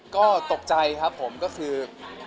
ก็ตกใจครับผมก็คือ